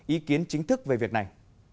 ý kiến chính thức về việc này